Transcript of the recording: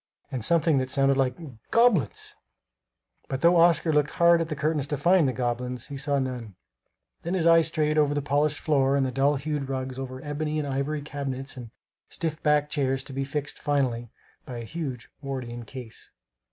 and something that sounded like "Goblins!" But though Oscar looked hard at the curtains to find the goblins, he saw none. Then his eyes strayed over the polished floor and the dull hued rugs, over ebony and ivory cabinets and stiff backed chairs, to be fixed, finally, by a huge Wardian case.